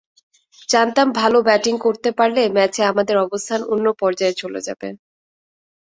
জানতাম ভালো ব্যাটিং করতে পারলে ম্যাচে আমাদের অবস্থান অন্য পর্যায়ে চলে যাবে।